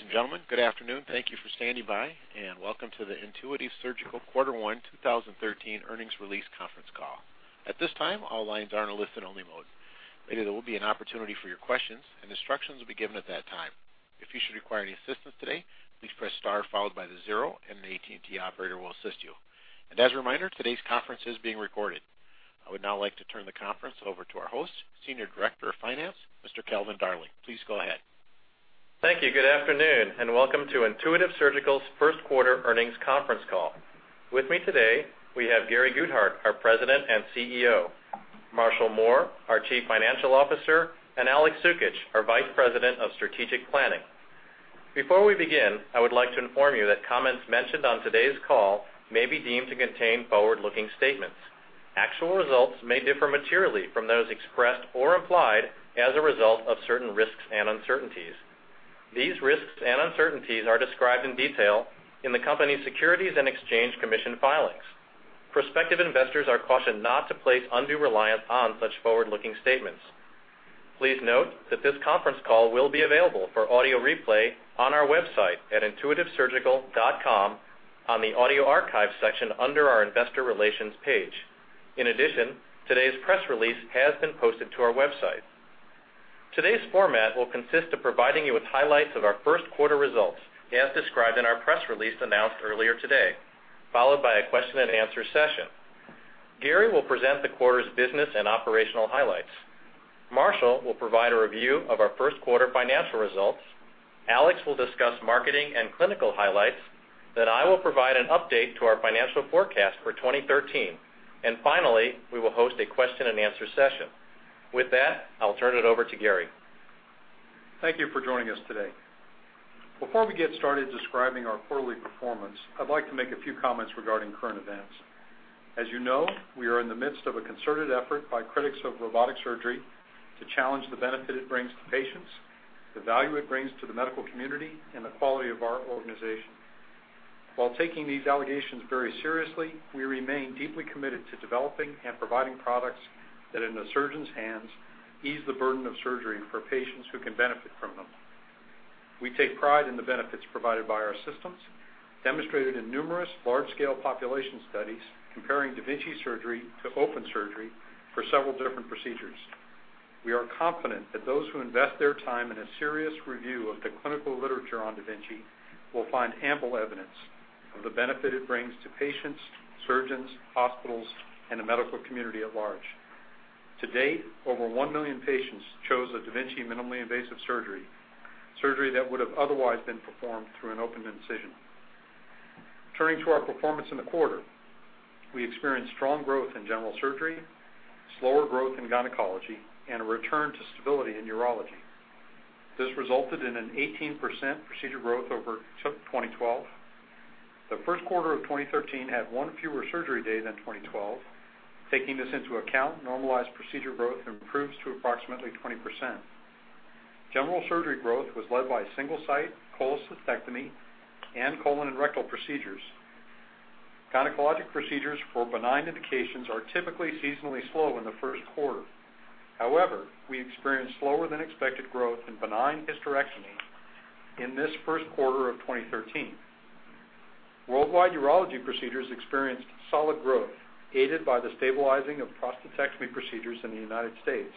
Ladies and gentlemen, good afternoon. Thank you for standing by, and welcome to the Intuitive Surgical Quarter One 2013 Earnings Release Conference Call. At this time, all lines are in a listen only mode. Later, there will be an opportunity for your questions, and instructions will be given at that time. If you should require any assistance today, please press star followed by the zero, and an AT&T operator will assist you. As a reminder, today's conference is being recorded. I would now like to turn the conference over to our host, Senior Director of Finance, Mr. Calvin Darling. Please go ahead. Thank you. Good afternoon, and welcome to Intuitive Surgical's first quarter earnings conference call. With me today, we have Gary Guthart, our President and CEO, Marshall Mohr, our Chief Financial Officer, and Alex Sukitch, our Vice President of Strategic Planning. Before we begin, I would like to inform you that comments mentioned on today's call may be deemed to contain forward-looking statements. Actual results may differ materially from those expressed or implied as a result of certain risks and uncertainties. These risks and uncertainties are described in detail in the company's Securities and Exchange Commission filings. Prospective investors are cautioned not to place undue reliance on such forward-looking statements. Please note that this conference call will be available for audio replay on our website at intuitivesurgical.com on the Audio Archive section under our Investor Relations page. In addition, today's press release has been posted to our website. Today's format will consist of providing you with highlights of our first quarter results, as described in our press release announced earlier today, followed by a question and answer session. Gary will present the quarter's business and operational highlights. Marshall will provide a review of our first quarter financial results. Alex will discuss marketing and clinical highlights. I will provide an update to our financial forecast for 2013. Finally, we will host a question and answer session. With that, I'll turn it over to Gary. Thank you for joining us today. Before we get started describing our quarterly performance, I'd like to make a few comments regarding current events. As you know, we are in the midst of a concerted effort by critics of robotic surgery to challenge the benefit it brings to patients, the value it brings to the medical community, and the quality of our organization. While taking these allegations very seriously, we remain deeply committed to developing and providing products that in the surgeons' hands ease the burden of surgery for patients who can benefit from them. We take pride in the benefits provided by our systems, demonstrated in numerous large-scale population studies comparing da Vinci surgery to open surgery for several different procedures. We are confident that those who invest their time in a serious review of the clinical literature on da Vinci will find ample evidence of the benefit it brings to patients, surgeons, hospitals, and the medical community at large. To date, over 1 million patients chose a da Vinci minimally invasive surgery that would've otherwise been performed through an open incision. Turning to our performance in the quarter. We experienced strong growth in general surgery, slower growth in gynecology, and a return to stability in urology. This resulted in an 18% procedure growth over 2012. The first quarter of 2013 had one fewer surgery day than 2012. Taking this into account, normalized procedure growth improves to approximately 20%. General surgery growth was led by Single-Site cholecystectomy and colon and rectal procedures. Gynecologic procedures for benign indications are typically seasonally slow in the first quarter. We experienced slower than expected growth in benign hysterectomy in this first quarter of 2013. Worldwide urology procedures experienced solid growth, aided by the stabilizing of prostatectomy procedures in the United States.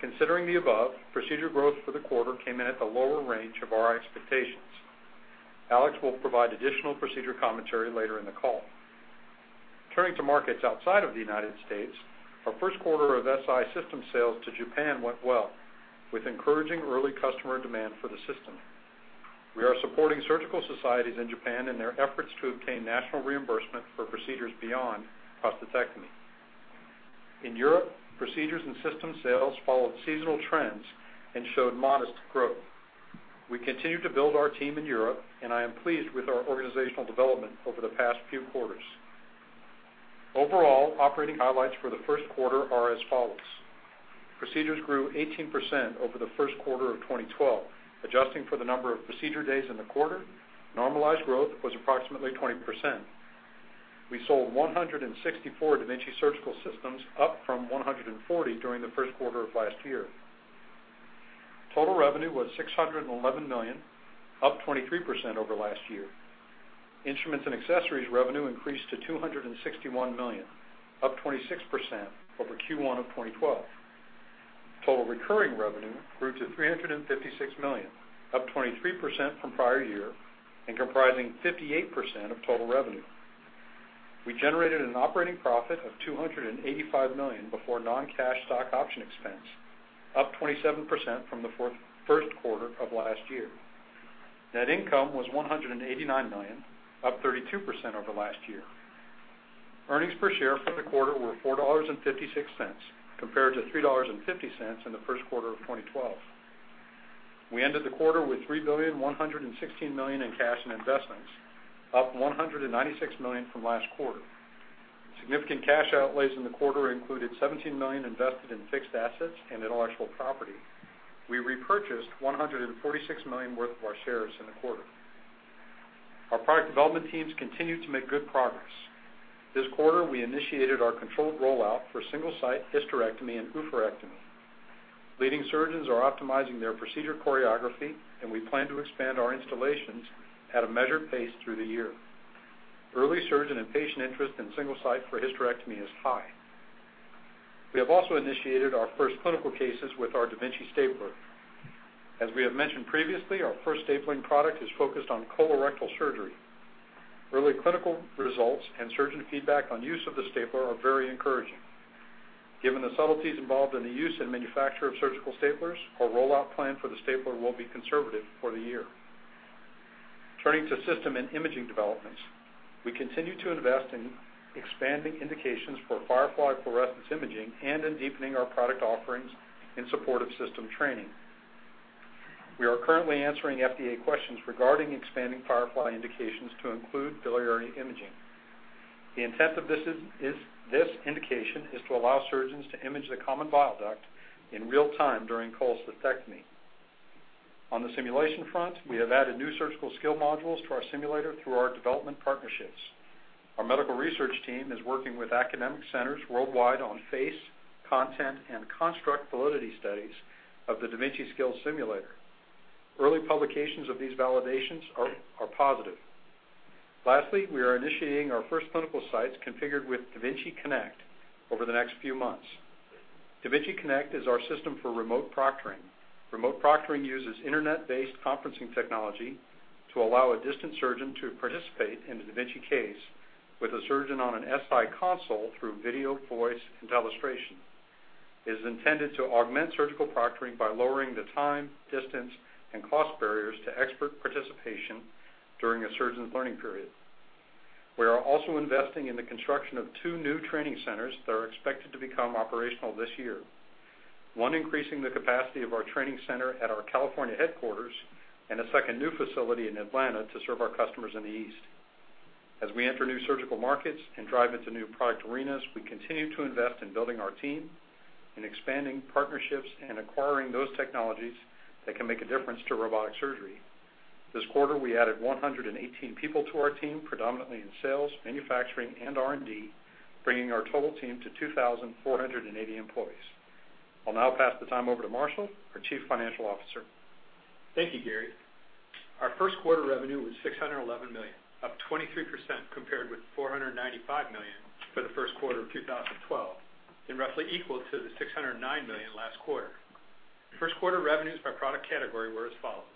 Considering the above, procedure growth for the quarter came in at the lower range of our expectations. Alex will provide additional procedure commentary later in the call. Turning to markets outside of the United States, our first quarter of Si system sales to Japan went well, with encouraging early customer demand for the system. We are supporting surgical societies in Japan in their efforts to obtain national reimbursement for procedures beyond prostatectomy. In Europe, procedures and system sales followed seasonal trends and showed modest growth. We continue to build our team in Europe, and I am pleased with our organizational development over the past few quarters. Overall, operating highlights for the first quarter are as follows. Procedures grew 18% over the first quarter of 2012. Adjusting for the number of procedure days in the quarter, normalized growth was approximately 20%. We sold 164 da Vinci Surgical Systems, up from 140 during the first quarter of last year. Total revenue was $611 million, up 23% over last year. Instruments and Accessories revenue increased to $261 million, up 26% over Q1 of 2012. Total recurring revenue grew to $356 million, up 23% from prior year, and comprising 58% of total revenue. We generated an operating profit of $285 million before non-cash stock option expense, up 27% from the first quarter of last year. Net income was $189 million, up 32% over last year. Earnings per share for the quarter were $4.56, compared to $3.50 in the first quarter of 2012. We ended the quarter with $3,116,000,000 in cash and investments, up $196 million from last quarter. Significant cash outlays in the quarter included $17 million invested in fixed assets and intellectual property. We repurchased $146 million worth of our shares in the quarter. Our product development teams continue to make good progress. This quarter, we initiated our controlled rollout for Single-Site hysterectomy and oophorectomy. Leading surgeons are optimizing their procedure choreography, and we plan to expand our installations at a measured pace through the year. Early surgeon and patient interest in Single-Site for hysterectomy is high. We have also initiated our first clinical cases with our da Vinci Stapler. As we have mentioned previously, our first stapling product is focused on colorectal surgery. Early clinical results and surgeon feedback on use of the Stapler are very encouraging. Given the subtleties involved in the use and manufacture of surgical staplers, our rollout plan for the Stapler will be conservative for the year. Turning to system and imaging developments. We continue to invest in expanding indications for Firefly fluorescence imaging and in deepening our product offerings in support of system training. We are currently answering FDA questions regarding expanding Firefly indications to include biliary imaging. The intent of this indication is to allow surgeons to image the common bile duct in real time during cholecystectomy. On the simulation front, we have added new surgical skill modules to our simulator through our development partnerships. Our medical research team is working with academic centers worldwide on face, content, and construct validity studies of the da Vinci Skills Simulator. Early publications of these validations are positive. Lastly, we are initiating our first clinical sites configured with da Vinci Connect over the next few months. da Vinci Connect is our system for remote proctoring. Remote proctoring uses internet-based conferencing technology to allow a distant surgeon to participate in a da Vinci case with a surgeon on an Si console through video, voice, and illustration. It is intended to augment surgical proctoring by lowering the time, distance, and cost barriers to expert participation during a surgeon's learning period. We are also investing in the construction of two new training centers that are expected to become operational this year. One increasing the capacity of our training center at our California headquarters, and a second new facility in Atlanta to serve our customers in the East. As we enter new surgical markets and drive into new product arenas, we continue to invest in building our team, in expanding partnerships, and acquiring those technologies that can make a difference to robotic surgery. This quarter, we added 118 people to our team, predominantly in sales, manufacturing, and R&D, bringing our total team to 2,480 employees. I'll now pass the time over to Marshall, our Chief Financial Officer. Thank you, Gary. Our first quarter revenue was $611 million, up 23% compared with $495 million for the first quarter of 2012, and roughly equal to the $609 million last quarter. First quarter revenues by product category were as follows.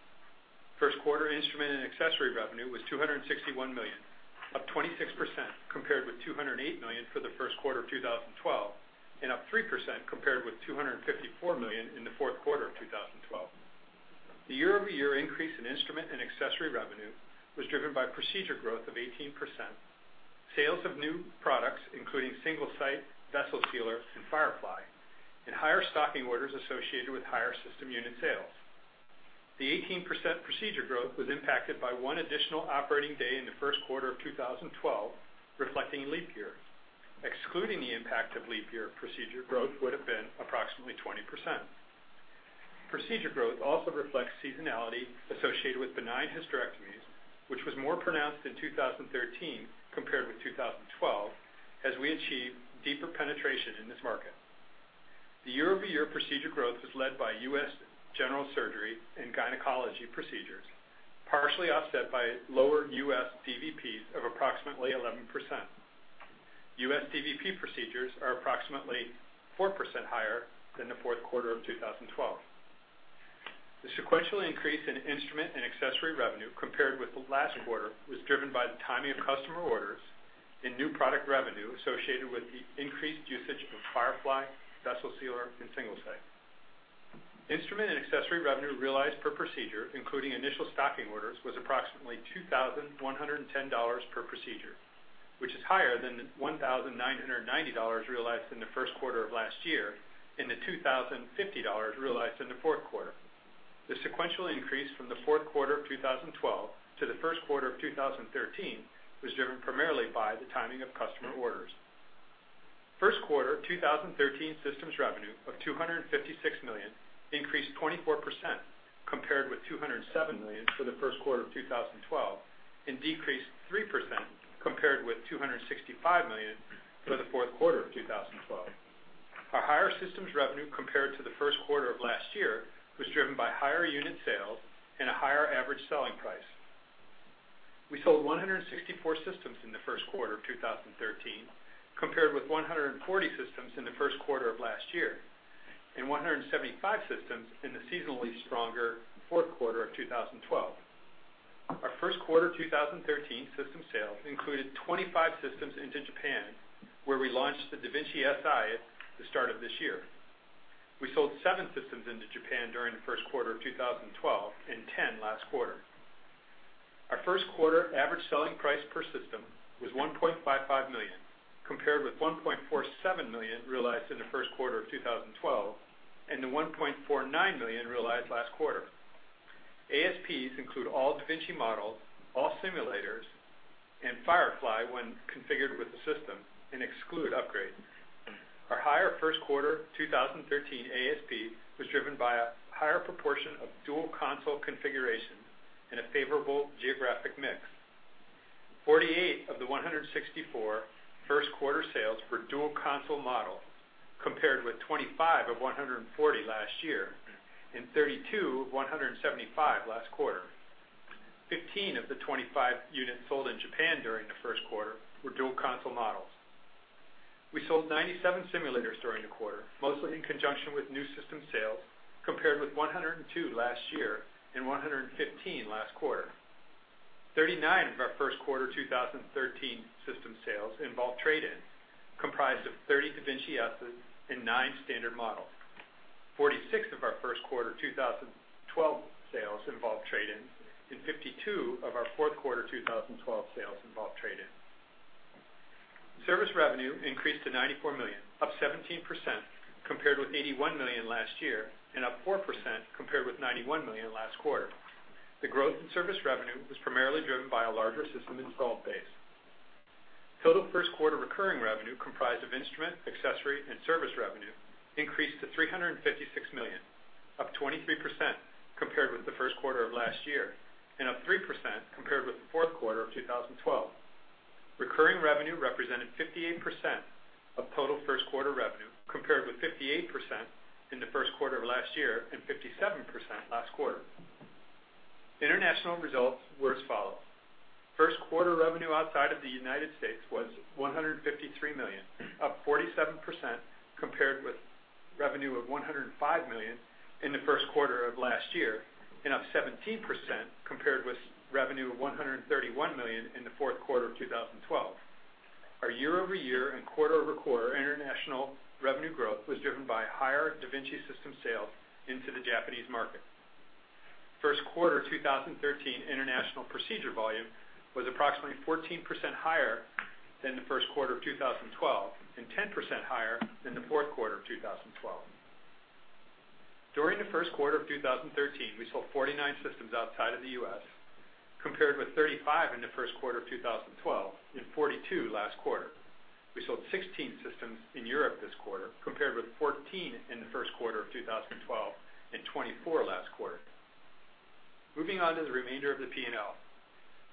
First quarter instrument and accessory revenue was $261 million, up 26% compared with $208 million for the first quarter of 2012, and up 3% compared with $254 million in the fourth quarter of 2012. The year-over-year increase in instrument and accessory revenue was driven by procedure growth of 18%, sales of new products, including Single-Site, Vessel Sealer, and Firefly, and higher stocking orders associated with higher system unit sales. The 18% procedure growth was impacted by one additional operating day in the first quarter of 2012, reflecting a leap year. Excluding the impact of leap year, procedure growth would have been approximately 20%. Procedure growth also reflects seasonality associated with benign hysterectomies, which was more pronounced in 2013 compared with 2012, as we achieved deeper penetration in this market. The year-over-year procedure growth was led by U.S. general surgery and gynecology procedures, partially offset by lower U.S. DVPs of approximately 11%. U.S. DVP procedures are approximately 4% higher than the fourth quarter of 2012. The sequential increase in instrument and accessory revenue compared with last quarter was driven by the timing of customer orders and new product revenue associated with the increased usage of Firefly, Vessel Sealer, and Single-Site. Instrument and accessory revenue realized per procedure, including initial stocking orders, was approximately $2,110 per procedure, which is higher than the $1,990 realized in the first quarter of last year and the $2,050 realized in the fourth quarter. The sequential increase from the fourth quarter of 2012 to the first quarter of 2013 was driven primarily by the timing of customer orders. First quarter 2013 systems revenue of $256 million increased 24% compared with $207 million for the first quarter of 2012 and decreased 3% compared with $265 million for the fourth quarter of 2012. Our higher systems revenue compared to the first quarter of last year was driven by higher unit sales and a higher average selling price. We sold 164 systems in the first quarter of 2013 compared with 140 systems in the first quarter of last year and 175 systems in the seasonally stronger fourth quarter of 2012. Our first quarter 2013 system sales included 25 systems into Japan, where we launched the da Vinci Si at the start of this year. We sold seven systems into Japan during the first quarter of 2012 and 10 last quarter. Our first quarter average selling price per system was $1.55 million, compared with $1.47 million realized in the first quarter of 2012 and the $1.49 million realized last quarter. ASPs include all da Vinci models, all simulators and Firefly when configured with the system and exclude upgrades. Our higher first quarter 2013 ASP was driven by a higher proportion of dual console configurations and a favorable geographic mix. 48 of the 164 first quarter sales were dual console models, compared with 25 of 140 last year and 32 of 175 last quarter. 15 of the 25 units sold in Japan during the first quarter were dual console models. We sold 97 simulators during the quarter, mostly in conjunction with new system sales, compared with 102 last year and 115 last quarter. 39 of our first quarter 2013 system sales involved trade-ins, comprised of 30 da Vinci S's and nine standard models. 46 of our first quarter 2012 sales involved trade-ins, and 52 of our fourth quarter 2012 sales involved trade-ins. Service revenue increased to $94 million, up 17%, compared with $81 million last year and up 4% compared with $91 million last quarter. The growth in service revenue was primarily driven by a larger system installed base. Total first quarter recurring revenue, comprised of instrument, accessory, and service revenue, increased to $356 million, up 23% compared with the first quarter of last year, and up 3% compared with the fourth quarter of 2012. Recurring revenue represented 58% of total first quarter revenue, compared with 58% in the first quarter of last year and 57% last quarter. International results were as follows. First quarter revenue outside of the U.S. was $153 million, up 47% compared with revenue of $105 million in the first quarter of last year. Up 17% compared with revenue of $131 million in the fourth quarter of 2012. Our year-over-year and quarter-over-quarter international revenue growth was driven by higher da Vinci system sales into the Japanese market. First quarter 2013 international procedure volume was approximately 14% higher than the first quarter of 2012 and 10% higher than the fourth quarter of 2012. During the first quarter of 2013, we sold 49 systems outside of the U.S., compared with 35 in the first quarter of 2012 and 42 last quarter. We sold 16 systems in Europe this quarter, compared with 14 in the first quarter of 2012 and 24 last quarter. Moving on to the remainder of the P&L.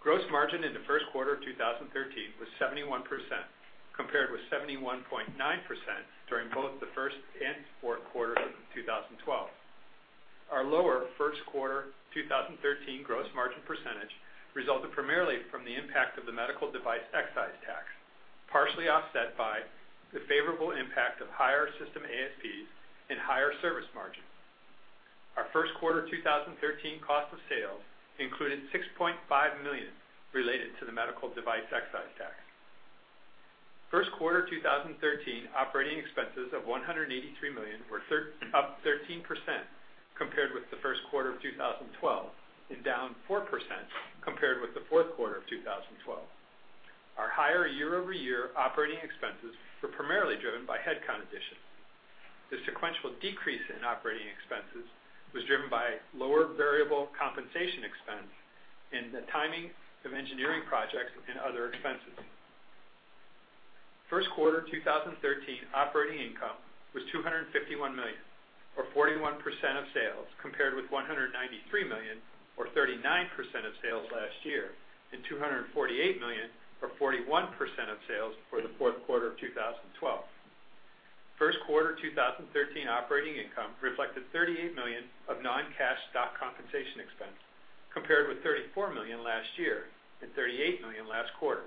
Gross margin in the first quarter of 2013 was 71%, compared with 71.9% during both the first and fourth quarters of 2012. Our lower first quarter 2013 gross margin percentage resulted primarily from the impact of the medical device excise tax, partially offset by the favorable impact of higher system ASPs and higher service margin. Our first quarter 2013 cost of sales included $6.5 million related to the medical device excise tax. First quarter 2013 operating expenses of $183 million were up 13% compared with the first quarter of 2012 and down 4% compared with the fourth quarter of 2012. Our higher year-over-year operating expenses were primarily driven by headcount additions. The sequential decrease in operating expenses was driven by lower variable compensation expense and the timing of engineering projects and other expenses. First quarter 2013 operating income was $251 million, or 41% of sales, compared with $193 million, or 39% of sales last year. $248 million or 41% of sales for the fourth quarter of 2012. First quarter 2013 operating income reflected $38 million of non-cash stock compensation expense, compared with $34 million last year and $38 million last quarter.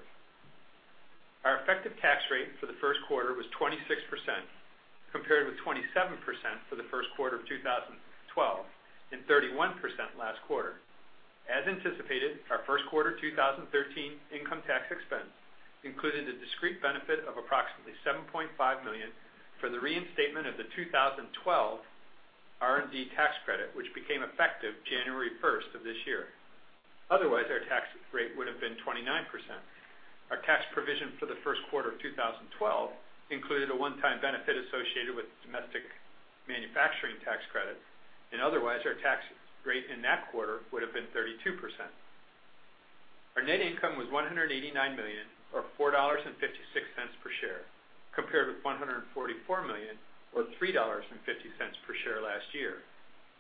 Our effective tax rate for the first quarter was 26%, compared with 27% for the first quarter of 2012 and 31% last quarter. As anticipated, our first quarter 2013 income tax expense included a discrete benefit of approximately $7.5 million for the reinstatement of the 2012 R&D tax credit, which became effective January 1st of this year. Otherwise, our tax rate would have been 29%. Our tax provision for the first quarter of 2012 included a one-time benefit associated with domestic manufacturing tax credits. Otherwise, our tax rate in that quarter would have been 32%. Our net income was $189 million, or $4.56 per share, compared with $144 million, or $3.50 per share last year.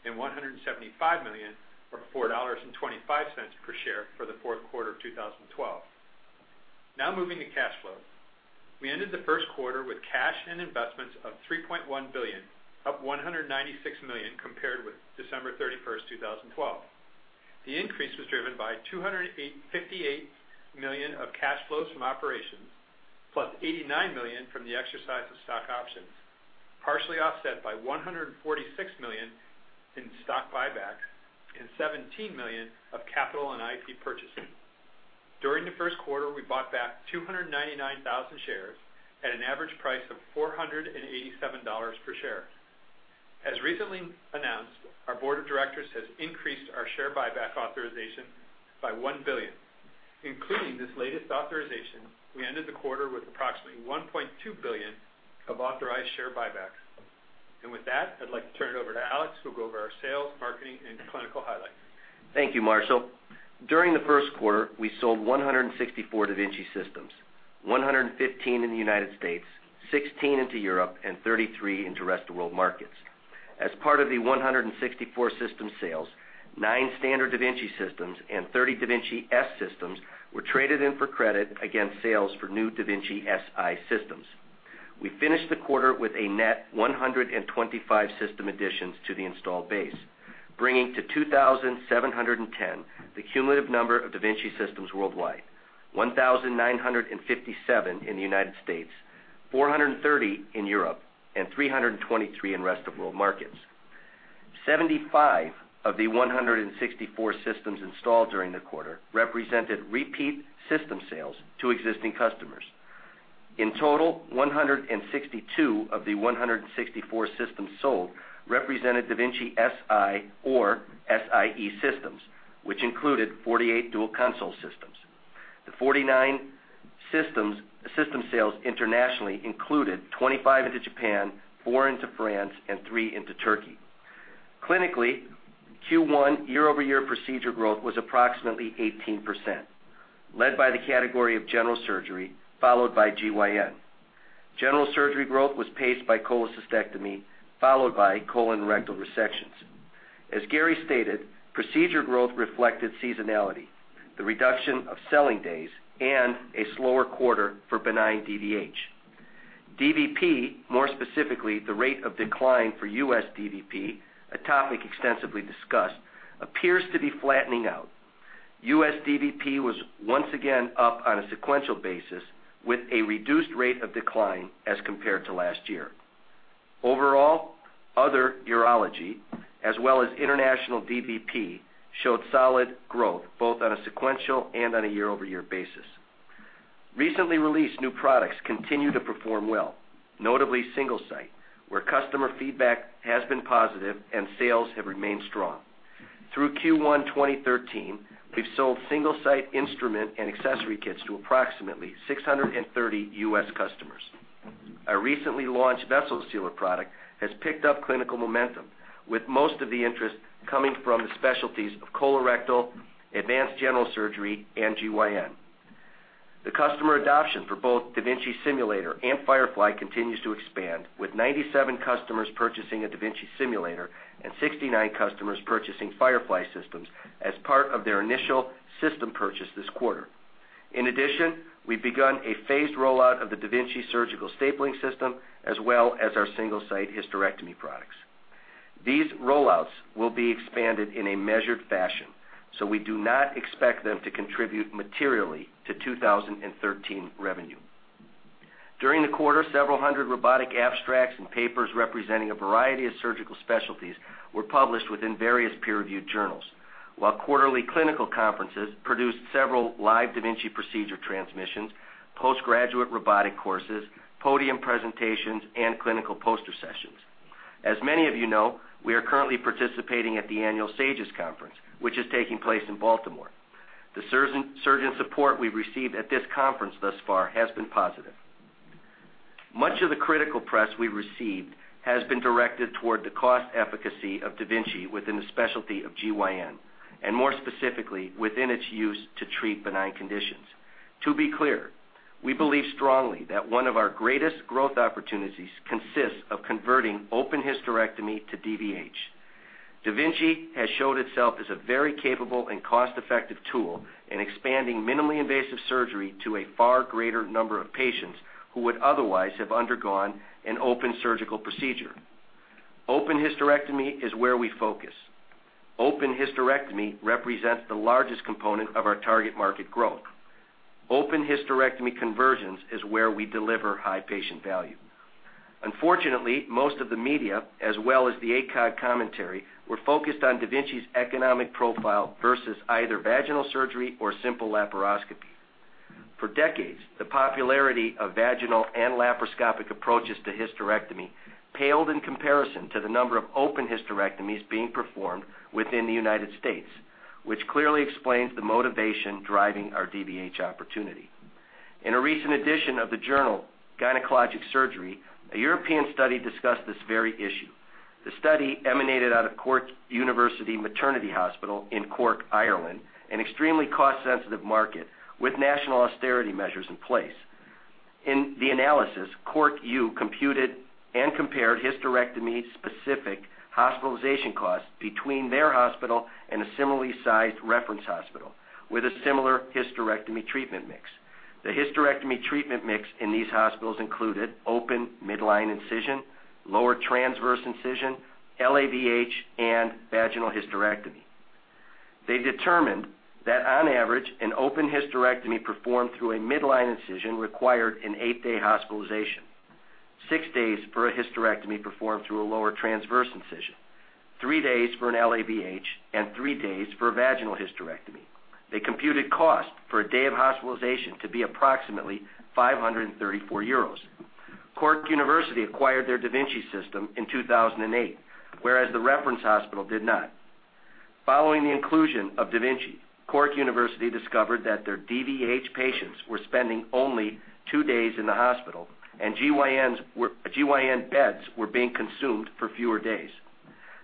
$175 million, or $4.25 per share for the fourth quarter of 2012. Now moving to cash flow. We ended the first quarter with cash and investments of $3.1 billion, up $196 million compared with December 31st, 2012. The increase was driven by $258 million of cash flows from operations, plus $89 million from the exercise of stock options, partially offset by $146 million in stock buybacks and $17 million of capital and IP purchases. During the first quarter, we bought back 299,000 shares at an average price of $487 per share. As recently announced, our board of directors has increased our share buyback authorization by $1 billion. Including this latest authorization, we ended the quarter with approximately $1.2 billion of authorized share buybacks. With that, I'd like to turn it over to Alex, who'll go over our sales, marketing, and clinical highlights. Thank you, Marshall. During the first quarter, we sold 164 da Vinci systems, 115 in the U.S., 16 into Europe, and 33 into rest-of-the-world markets. As part of the 164 system sales, nine standard da Vinci systems and 30 da Vinci S systems were traded in for credit against sales for new da Vinci Si systems. We finished the quarter with a net 125 system additions to the installed base, bringing to 2,710 the cumulative number of da Vinci systems worldwide, 1,957 in the U.S., 430 in Europe, and 323 in rest-of-the-world markets. 75 of the 164 systems installed during the quarter represented repeat system sales to existing customers. In total, 162 of the 164 systems sold represented da Vinci Si or Si-e systems, which included 48 dual console systems. The 49 system sales internationally included 25 into Japan, four into France, and three into Turkey. Clinically, Q1 year-over-year procedure growth was approximately 18%, led by the category of general surgery, followed by GYN. General surgery growth was paced by cholecystectomy, followed by colorectal resections. As Gary stated, procedure growth reflected seasonality, the reduction of selling days, and a slower quarter for benign DVH. DVP, more specifically, the rate of decline for U.S. DVP, a topic extensively discussed, appears to be flattening out. U.S. DVP was once again up on a sequential basis with a reduced rate of decline as compared to last year. Overall, other urology, as well as international DVP, showed solid growth both on a sequential and on a year-over-year basis. Recently released new products continue to perform well, notably Single-Site, where customer feedback has been positive and sales have remained strong. Through Q1 2013, we've sold Single-Site instrument and accessory kits to approximately 630 U.S. customers. Our recently launched Vessel Sealer product has picked up clinical momentum, with most of the interest coming from the specialties of colorectal, advanced general surgery, and GYN. The customer adoption for both da Vinci Simulator and Firefly continues to expand, with 97 customers purchasing a da Vinci Simulator and 69 customers purchasing Firefly systems as part of their initial system purchase this quarter. In addition, we've begun a phased rollout of the da Vinci Surgical Stapling System, as well as our Single-Site hysterectomy products. These rollouts will be expanded in a measured fashion. We do not expect them to contribute materially to 2013 revenue. During the quarter, several hundred robotic abstracts and papers representing a variety of surgical specialties were published within various peer-reviewed journals. While quarterly clinical conferences produced several live da Vinci procedure transmissions, post-graduate robotic courses, podium presentations, and clinical poster sessions. As many of you know, we are currently participating at the annual SAGES conference, which is taking place in Baltimore. The surgeon support we've received at this conference thus far has been positive. Much of the critical press we received has been directed toward the cost efficacy of da Vinci within the specialty of GYN, and more specifically, within its use to treat benign conditions. To be clear, we believe strongly that one of our greatest growth opportunities consists of converting open hysterectomy to DVH. da Vinci has showed itself as a very capable and cost-effective tool in expanding minimally invasive surgery to a far greater number of patients who would otherwise have undergone an open surgical procedure. Open hysterectomy is where we focus. Open hysterectomy represents the largest component of our target market growth. Open hysterectomy conversions is where we deliver high patient value. Unfortunately, most of the media, as well as the ACOG commentary, were focused on da Vinci's economic profile versus either vaginal surgery or simple laparoscopy. For decades, the popularity of vaginal and laparoscopic approaches to hysterectomy paled in comparison to the number of open hysterectomies being performed within the United States, which clearly explains the motivation driving our DVH opportunity. In a recent edition of the journal, Gynecologic Surgery, a European study discussed this very issue. The study emanated out of Cork University Maternity Hospital in Cork, Ireland, an extremely cost-sensitive market with national austerity measures in place. In the analysis, Cork U computed and compared hysterectomy-specific hospitalization costs between their hospital and a similarly sized reference hospital with a similar hysterectomy treatment mix. The hysterectomy treatment mix in these hospitals included open midline incision, lower transverse incision, LAVH, and vaginal hysterectomy. They determined that on average, an open hysterectomy performed through a midline incision required an eight-day hospitalization, six days for a hysterectomy performed through a lower transverse incision, three days for an LAVH, and three days for a vaginal hysterectomy. They computed cost for a day of hospitalization to be approximately 534 euros. Cork University acquired their da Vinci system in 2008, whereas the reference hospital did not. Following the inclusion of da Vinci, Cork University discovered that their DVH patients were spending only two days in the hospital, and GYN beds were being consumed for fewer days.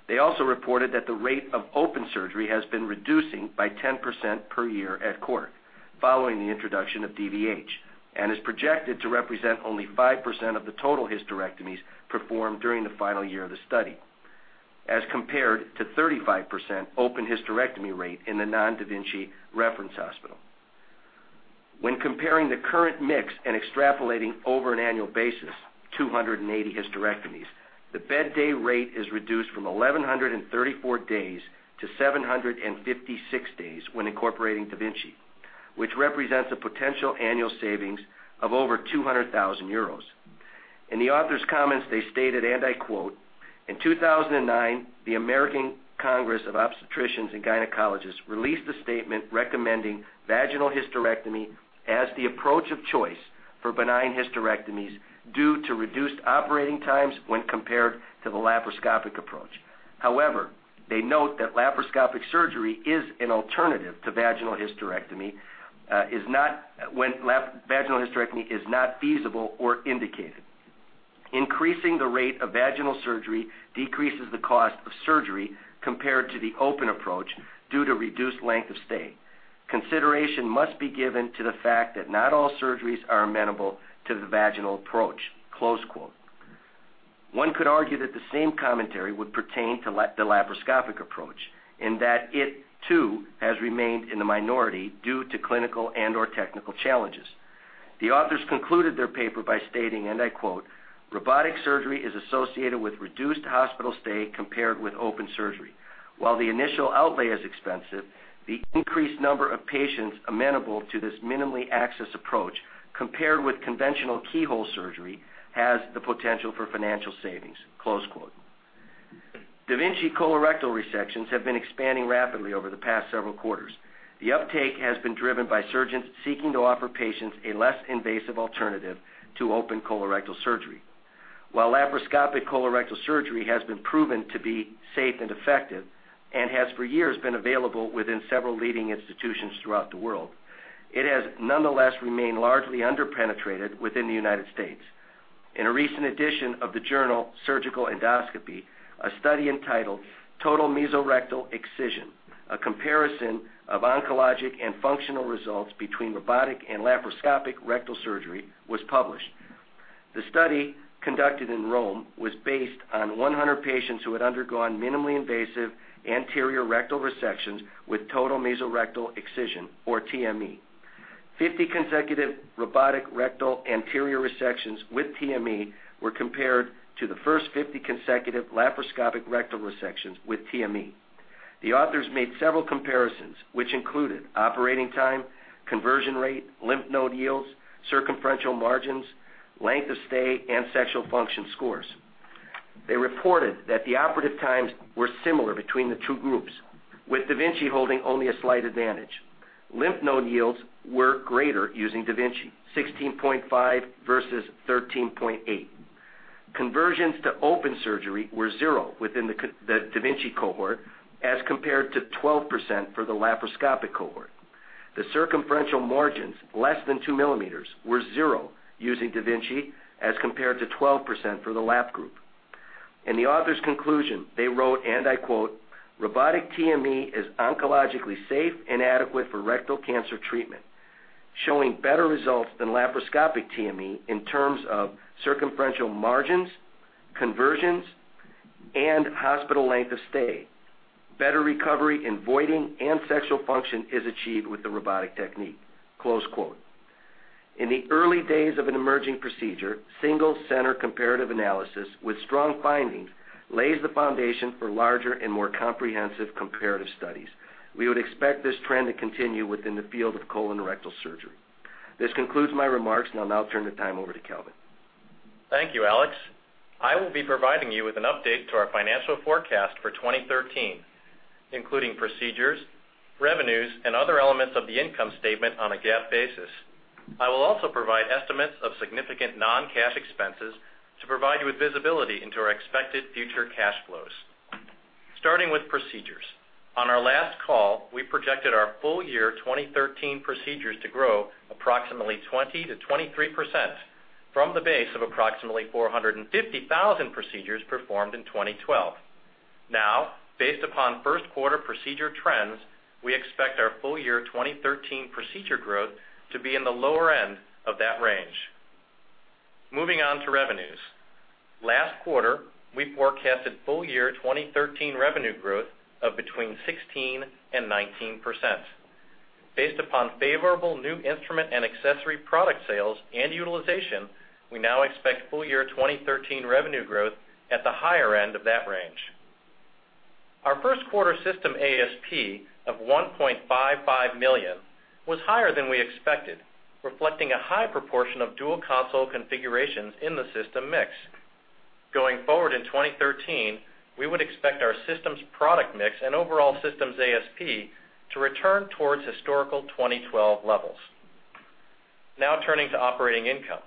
They also reported that the rate of open surgery has been reducing by 10% per year at Cork, following the introduction of DVH, and is projected to represent only 5% of the total hysterectomies performed during the final year of the study, as compared to 35% open hysterectomy rate in the non-da Vinci reference hospital. When comparing the current mix and extrapolating over an annual basis, 280 hysterectomies, the bed day rate is reduced from 1,134 days to 756 days when incorporating da Vinci, which represents a potential annual savings of over 200,000 euros. In the author's comments, they stated, and I quote, "In 2009, the American Congress of Obstetricians and Gynecologists released a statement recommending vaginal hysterectomy as the approach of choice for benign hysterectomies due to reduced operating times when compared to the laparoscopic approach." However, they note that laparoscopic surgery is an alternative to vaginal hysterectomy when vaginal hysterectomy is not feasible or indicated. Increasing the rate of vaginal surgery decreases the cost of surgery compared to the open approach due to reduced length of stay. Consideration must be given to the fact that not all surgeries are amenable to the vaginal approach. Close quote. One could argue that the same commentary would pertain to the laparoscopic approach, that it too has remained in the minority due to clinical and/or technical challenges. The authors concluded their paper by stating, and I quote, "Robotic surgery is associated with reduced hospital stay compared with open surgery. While the initial outlay is expensive, the increased number of patients amenable to this minimally access approach, compared with conventional keyhole surgery, has the potential for financial savings." Close quote. da Vinci colorectal resections have been expanding rapidly over the past several quarters. The uptake has been driven by surgeons seeking to offer patients a less invasive alternative to open colorectal surgery. While laparoscopic colorectal surgery has been proven to be safe and effective, has for years been available within several leading institutions throughout the world, it has nonetheless remained largely under-penetrated within the U.S. In a recent edition of the journal Surgical Endoscopy, a study entitled "Total Mesorectal Excision: A Comparison of Oncologic and Functional Results Between Robotic and Laparoscopic Rectal Surgery" was published. The study, conducted in Rome, was based on 100 patients who had undergone minimally invasive anterior rectal resections with total mesorectal excision, or TME. 50 consecutive robotic rectal anterior resections with TME were compared to the first 50 consecutive laparoscopic rectal resections with TME. The authors made several comparisons, which included operating time, conversion rate, lymph node yields, circumferential margins, length of stay, and sexual function scores. They reported that the operative times were similar between the two groups, with da Vinci holding only a slight advantage. Lymph node yields were greater using da Vinci, 16.5 versus 13.8. Conversions to open surgery were 0 within the da Vinci cohort as compared to 12% for the laparoscopic cohort. The circumferential margins, less than two millimeters, were 0 using da Vinci, as compared to 12% for the lap group. In the author's conclusion, they wrote, and I quote, "Robotic TME is oncologically safe and adequate for rectal cancer treatment, showing better results than laparoscopic TME in terms of circumferential margins, conversions, and hospital length of stay. Better recovery in voiding and sexual function is achieved with the robotic technique." Close quote. In the early days of an emerging procedure, single center comparative analysis with strong findings lays the foundation for larger and more comprehensive comparative studies. We would expect this trend to continue within the field of colorectal surgery. This concludes my remarks, I'll now turn the time over to Calvin. Thank you, Alex. I will be providing you with an update to our financial forecast for 2013, including procedures, revenues, and other elements of the income statement on a GAAP basis. I will also provide estimates of significant non-cash expenses to provide you with visibility into our expected future cash flows. Starting with procedures. On our last call, we projected our full year 2013 procedures to grow approximately 20%-23% from the base of approximately 450,000 procedures performed in 2012. Now, based upon first quarter procedure trends, we expect our full year 2013 procedure growth to be in the lower end of that range. Moving on to revenues. Last quarter, we forecasted full year 2013 revenue growth of between 16% and 19%. Based upon favorable new instrument and accessory product sales and utilization, we now expect full year 2013 revenue growth at the higher end of that range. Our first quarter system ASP of $1.55 million was higher than we expected, reflecting a high proportion of dual console configurations in the system mix. Going forward in 2013, we would expect our systems product mix and overall systems ASP to return towards historical 2012 levels. Now turning to operating income.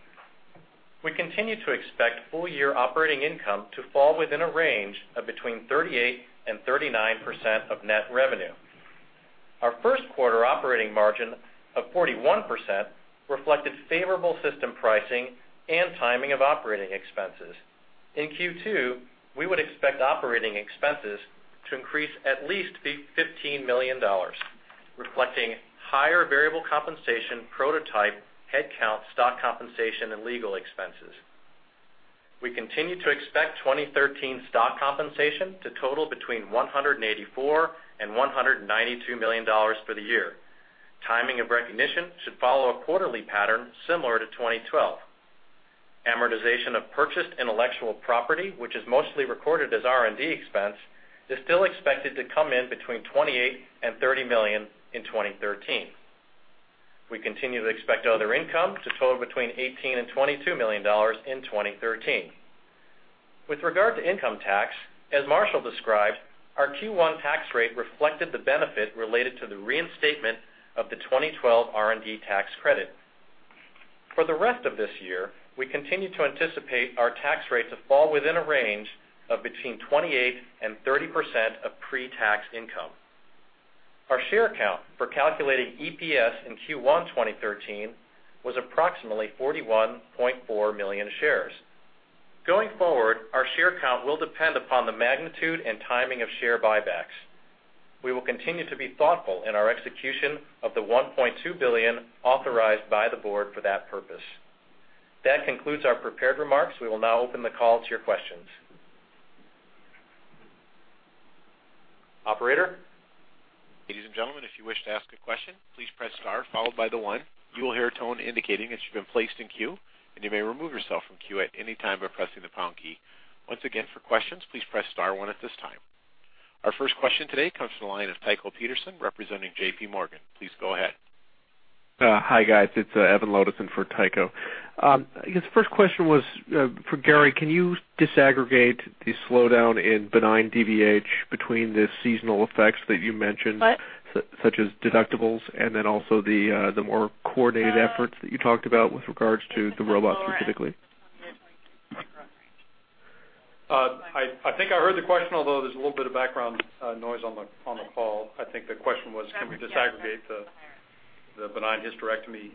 We continue to expect full-year operating income to fall within a range of between 38% and 39% of net revenue. Our first quarter operating margin of 41% reflected favorable system pricing and timing of operating expenses. In Q2, we would expect operating expenses to increase at least $15 million, reflecting higher variable compensation prototype, headcount, stock compensation, and legal expenses. We continue to expect 2013 stock compensation to total between $184 million and $192 million for the year. Timing and recognition should follow a quarterly pattern similar to 2012. Amortization of purchased intellectual property, which is mostly recorded as R&D expense, is still expected to come in between $28 million and $30 million in 2013. We continue to expect other income to total between $18 million and $22 million in 2013. With regard to income tax, as Marshall described, our Q1 tax rate reflected the benefit related to the reinstatement of the 2012 R&D tax credit. For the rest of this year, we continue to anticipate our tax rate to fall within a range of between 28% and 30% of pre-tax income. Our share count for calculating EPS in Q1 2013 was approximately 41.4 million shares. Going forward, our share count will depend upon the magnitude and timing of share buybacks. We will continue to be thoughtful in our execution of the $1.2 billion authorized by the board for that purpose. That concludes our prepared remarks. We will now open the call to your questions. Operator? Ladies and gentlemen, if you wish to ask a question, please press star followed by the one. You will hear a tone indicating that you've been placed in queue, and you may remove yourself from queue at any time by pressing the pound key. Once again, for questions, please press star one at this time. Our first question today comes from the line of Tycho Peterson, representing J.P. Morgan. Please go ahead. Hi, guys. It's Evan Lodes on for Tycho. I guess the first question was for Gary. Can you disaggregate the slowdown in benign DVH between the seasonal effects that you mentioned- What? Such as deductibles, also the more coordinated efforts that you talked about with regards to the robot specifically? Lower. I think I heard the question, although there's a little bit of background noise on the call. I think the question was, can we disaggregate the benign hysterectomy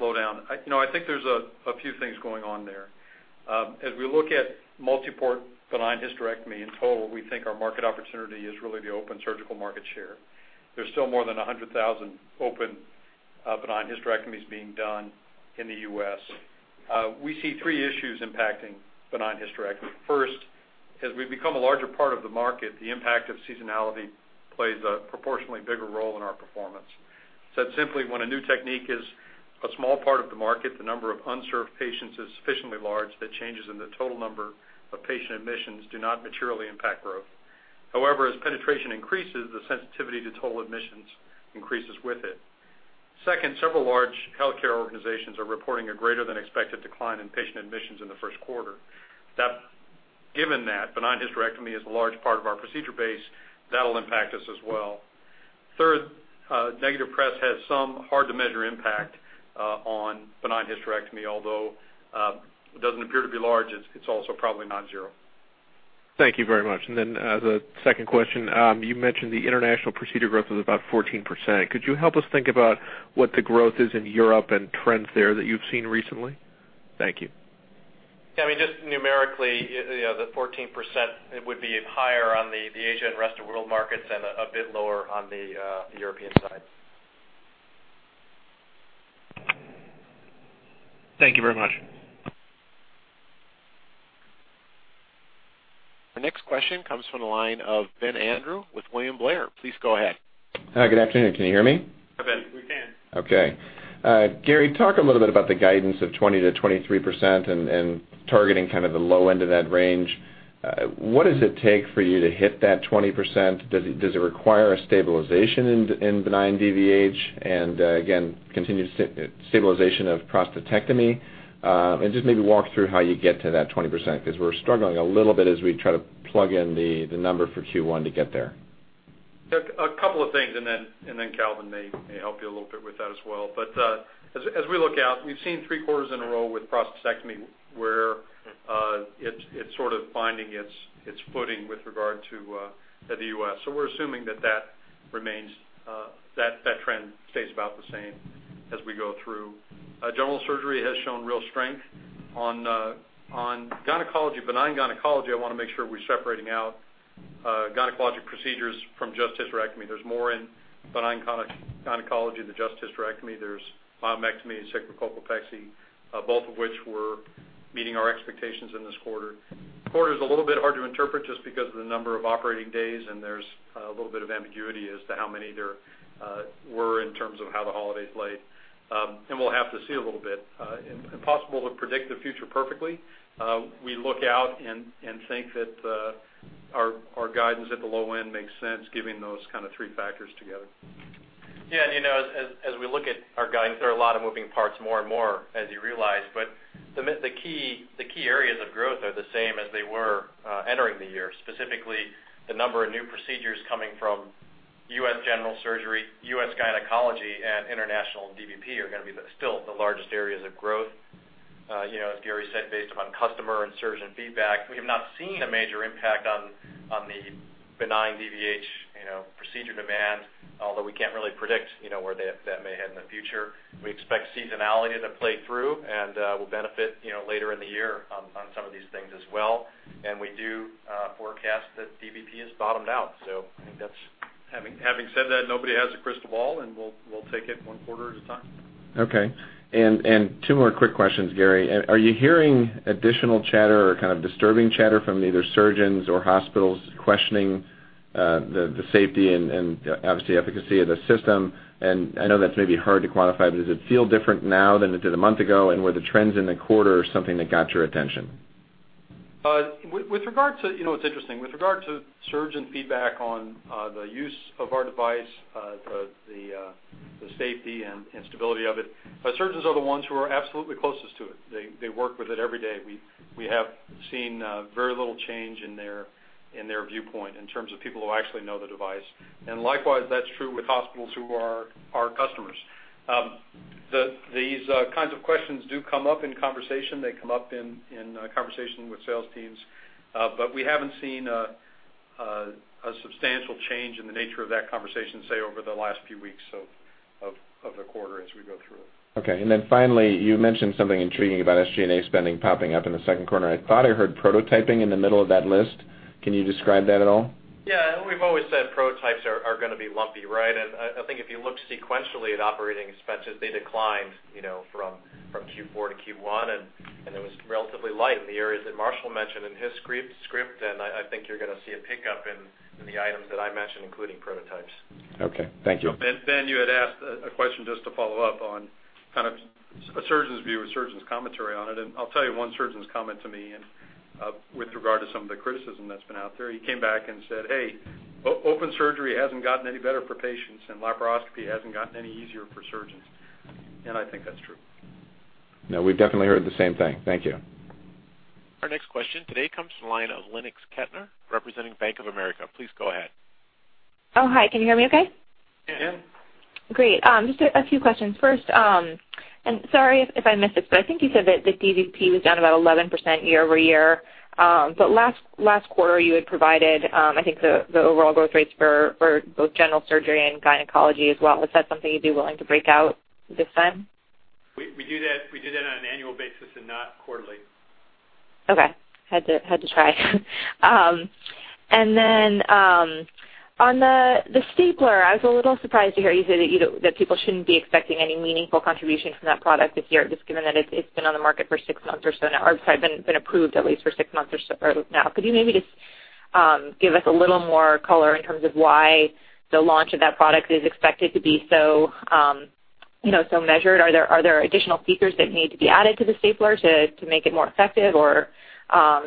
slowdown? I think there's a few things going on there. As we look at multi-port benign hysterectomy, in total, we think our market opportunity is really the open surgical market share. There's still more than 100,000 open benign hysterectomies being done in the U.S. We see three issues impacting benign hysterectomy. First, as we become a larger part of the market, the impact of seasonality plays a proportionally bigger role in our performance. Said simply, when a new technique is a small part of the market, the number of unserved patients is sufficiently large that changes in the total number of patient admissions do not materially impact growth. However, as penetration increases, the sensitivity to total admissions increases with it. Several large healthcare organizations are reporting a greater than expected decline in patient admissions in the first quarter. Given that benign hysterectomy is a large part of our procedure base, that'll impact us as well. Negative press has some hard-to-measure impact on benign hysterectomy, although it doesn't appear to be large, it's also probably not zero. Thank you very much. The second question, you mentioned the international procedure growth was about 14%. Could you help us think about what the growth is in Europe and trends there that you've seen recently? Thank you. I mean, just numerically, the 14%, it would be higher on the Asia and rest of world markets and a bit lower on the European side. Thank you very much. Our next question comes from the line of Ben Andrew with William Blair. Please go ahead. Hi. Good afternoon. Can you hear me? We can. Okay. Gary, talk a little bit about the guidance of 20%-23% and targeting kind of the low end of that range. What does it take for you to hit that 20%? Does it require a stabilization in benign DVH and again, continued stabilization of prostatectomy? Just maybe walk through how you get to that 20%, because we're struggling a little bit as we try to plug in the number for Q1 to get there. A couple of things. Calvin may help you a little bit with that as well. As we look out, we've seen three quarters in a row with prostatectomy where it's sort of finding its footing with regard to the U.S. We're assuming that remains, that trend stays about the same as we go through. General surgery has shown real strength. On gynecology, benign gynecology, I want to make sure we're separating out gynecologic procedures from just hysterectomy. There's more in benign gynecology than just hysterectomy. There's myomectomy and sacrocolpopexy, both of which were meeting our expectations in this quarter. Quarter's a little bit hard to interpret just because of the number of operating days, and there's a little bit of ambiguity as to how many there were in terms of how the holidays laid. We'll have to see a little bit. Impossible to predict the future perfectly. We look out and think that our guidance at the low end makes sense given those kind of three factors together. As we look at our guidance, there are a lot of moving parts, more and more as you realize. The key areas of growth are the same as they were entering the year, specifically the number of new procedures coming from U.S. general surgery, U.S. gynecology, and international DVP are going to be still the largest areas of growth. As Gary said, based upon customer and surgeon feedback, we have not seen a major impact on the benign DVH procedure demand, although we can't really predict where that may head in the future. We expect seasonality to play through, and we'll benefit later in the year on some of these things as well. We do forecast that DVP has bottomed out. I think having said that, nobody has a crystal ball, and we'll take it one quarter at a time. Two more quick questions, Gary. Are you hearing additional chatter or kind of disturbing chatter from either surgeons or hospitals questioning the safety and obviously efficacy of the system? I know that's maybe hard to quantify, but does it feel different now than it did a month ago, and were the trends in the quarter something that got your attention? It's interesting. With regard to surgeon feedback on the use of our device, the safety and stability of it, our surgeons are the ones who are absolutely closest to it. They work with it every day. We have seen very little change in their viewpoint in terms of people who actually know the device. Likewise, that's true with hospitals who are our customers. These kinds of questions do come up in conversation. They come up in conversation with sales teams. We haven't seen a substantial change in the nature of that conversation, say, over the last few weeks of the quarter as we go through. Okay. Finally, you mentioned something intriguing about SG&A spending popping up in the second quarter. I thought I heard prototyping in the middle of that list. Can you describe that at all? Yeah. We've always said prototypes are going to be lumpy, right? I think if you look sequentially at operating expenses, they declined from Q4 to Q1, and it was relatively light in the areas that Marshall mentioned in his script. I think you're going to see a pickup in the items that I mentioned, including prototypes. Okay. Thank you. Ben, you had asked a question just to follow up on kind of a surgeon's view, a surgeon's commentary on it. I'll tell you one surgeon's comment to me and with regard to some of the criticism that's been out there. He came back and said, "Hey, open surgery hasn't gotten any better for patients, and laparoscopy hasn't gotten any easier for surgeons." I think that's true. No, we've definitely heard the same thing. Thank you. Our next question today comes from the line of Lennox Ketner representing Bank of America. Please go ahead. Oh, hi. Can you hear me okay? Yeah. Great. Just a few questions. First, sorry if I missed this, I think you said that the DVP was down about 11% year-over-year. Last quarter, you had provided, I think, the overall growth rates for both general surgery and gynecology as well. Is that something you'd be willing to break out this time? We do that on an annual basis and not quarterly. Okay. Had to try. Then, on the stapler, I was a little surprised to hear you say that people shouldn't be expecting any meaningful contribution from that product this year, just given that it's been on the market for six months or so now, or I'm sorry, been approved at least for six months or so now. Could you maybe just give us a little more color in terms of why the launch of that product is expected to be so measured? Are there additional features that need to be added to the stapler to make it more effective, or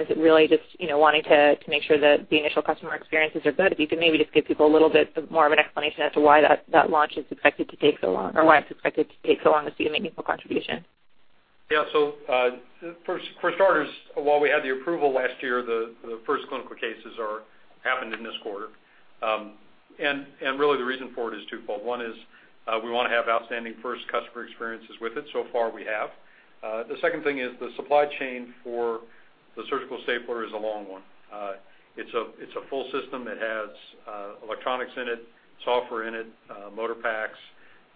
is it really just wanting to make sure that the initial customer experiences are good? If you could maybe just give people a little bit more of an explanation as to why that launch is expected to take so long, or why it's expected to take so long to see a meaningful contribution. For starters, while we had the approval last year, the first clinical cases happened in this quarter. Really the reason for it is twofold. One is we want to have outstanding first customer experiences with it. So far, we have. The second thing is the supply chain for the surgical stapler is a long one. It's a full system that has electronics in it, software in it, motor packs,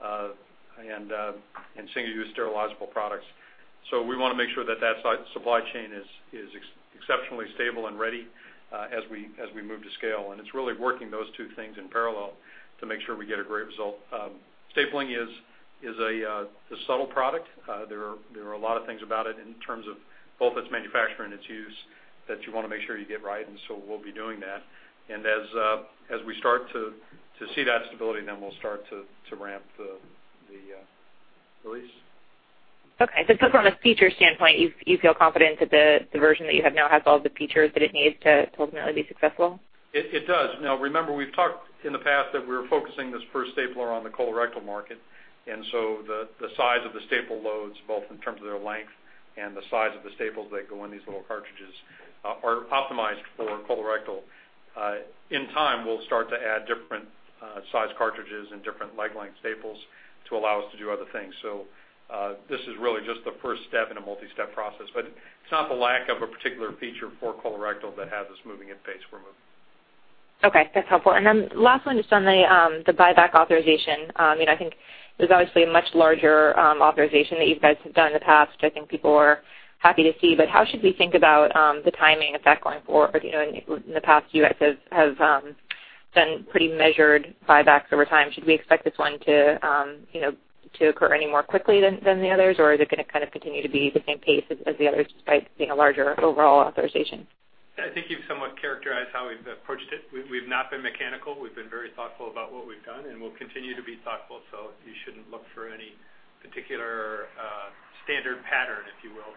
and single-use sterilizable products. We want to make sure that that supply chain is exceptionally stable and ready as we move to scale. It's really working those two things in parallel to make sure we get a great result. Stapling is a subtle product. There are a lot of things about it in terms of both its manufacturing and its use that you want to make sure you get right, we'll be doing that. As we start to see that stability, we'll start to ramp the release. Just from a feature standpoint, you feel confident that the version that you have now has all the features that it needs to ultimately be successful? It does. Remember, we've talked in the past that we were focusing this first stapler on the colorectal market, the size of the staple loads, both in terms of their length and the size of the staples that go in these little cartridges, are optimized for colorectal. In time, we'll start to add different size cartridges and different leg length staples to allow us to do other things. This is really just the first step in a multi-step process, it's not the lack of a particular feature for colorectal that has us moving at the pace we're moving. Okay. That's helpful. Last one, just on the buyback authorization. I think there's obviously a much larger authorization that you guys have done in the past, which I think people are happy to see. How should we think about the timing of that going forward? In the past, you guys have done pretty measured buybacks over time. Should we expect this one to occur any more quickly than the others, or is it going to kind of continue to be the same pace as the others despite it being a larger overall authorization? I think you've somewhat characterized how we've approached it. We've not been mechanical. We've been very thoughtful about what we've done, and we'll continue to be thoughtful, so you shouldn't look for any particular standard pattern, if you will.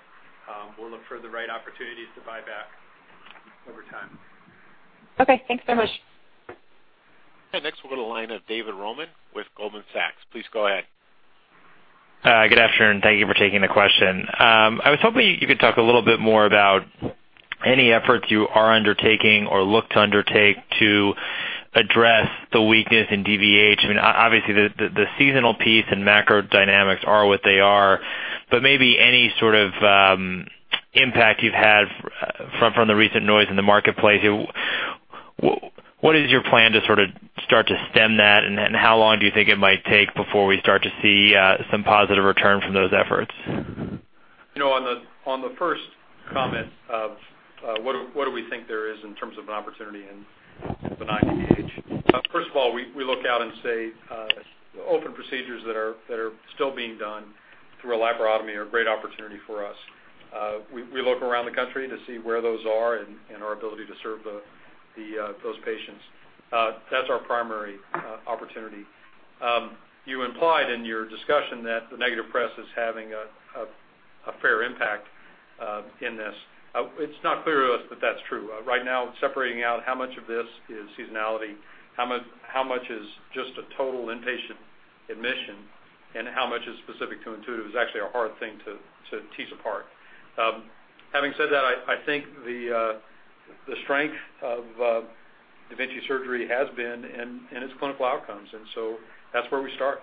We'll look for the right opportunities to buy back over time. Okay. Thanks so much. Okay, next we'll go to the line of David Roman with Goldman Sachs. Please go ahead. Good afternoon. Thank you for taking the question. I was hoping you could talk a little bit more about any efforts you are undertaking or look to undertake to address the weakness in DVH. Obviously, the seasonal piece and macro dynamics are what they are, but maybe any sort of impact you've had from the recent noise in the marketplace. What is your plan to start to stem that, and how long do you think it might take before we start to see some positive return from those efforts? On the first comment of what do we think there is in terms of an opportunity in benign DVH. First of all, we look out and say open procedures that are still being done through a laparotomy are a great opportunity for us. We look around the country to see where those are and our ability to serve those patients. That's our primary opportunity. You implied in your discussion that the negative press is having a fair impact in this. It's not clear to us that that's true. Right now, separating out how much of this is seasonality, how much is just a total inpatient admission, and how much is specific to Intuitive is actually a hard thing to tease apart. Having said that, I think the strength of da Vinci surgery has been in its clinical outcomes. That's where we start.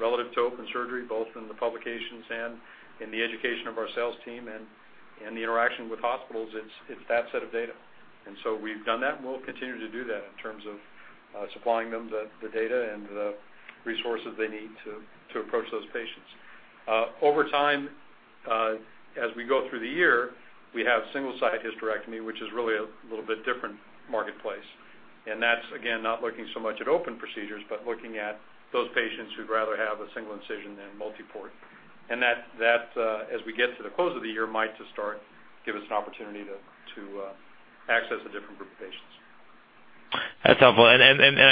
Relative to open surgery, both in the publications and in the education of our sales team and the interaction with hospitals, it's that set of data. We've done that and we'll continue to do that in terms of supplying them the data and the resources they need to approach those patients. Over time, as we go through the year, we have Single-Site hysterectomy, which is really a little bit different marketplace. That's, again, not looking so much at open procedures, but looking at those patients who'd rather have a single incision than multi-port. That, as we get to the close of the year, might just start give us an opportunity to access a different group of patients. That's helpful. I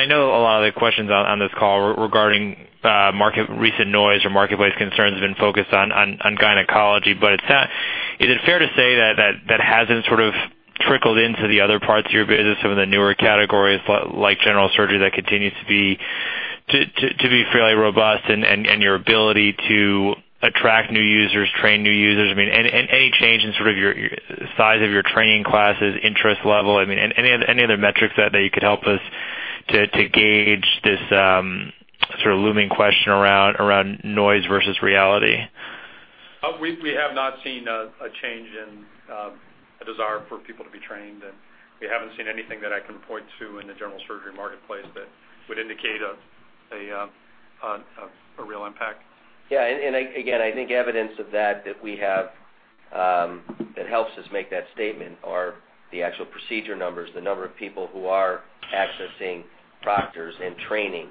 know a lot of the questions on this call regarding recent noise or marketplace concerns have been focused on gynecology. Is it fair to say that that hasn't sort of trickled into the other parts of your business, some of the newer categories, like general surgery, that continues to be fairly robust, and your ability to attract new users, train new users, and any change in size of your training classes, interest level, any other metrics that you could help us to gauge this looming question around noise versus reality? We have not seen a change in a desire for people to be trained. We haven't seen anything that I can point to in the general surgery marketplace that would indicate a real impact. Yeah. Again, I think evidence of that we have that helps us make that statement are the actual procedure numbers, the number of people who are accessing proctors and training.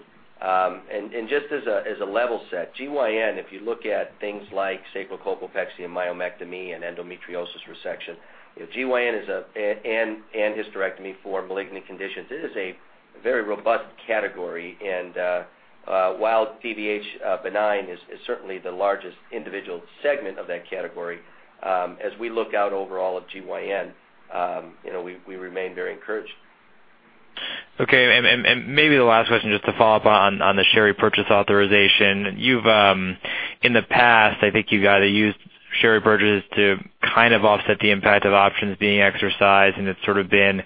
Just as a level set, GYN, if you look at things like sacrocolpopexy and myomectomy and endometriosis resection, and hysterectomy for malignant conditions, it is a very robust category. While DVH benign is certainly the largest individual segment of that category, as we look out overall at GYN we remain very encouraged. Okay. Maybe the last question, just to follow up on the share repurchase authorization. In the past, I think you've used share repurchases to kind of offset the impact of options being exercised, and it's sort of been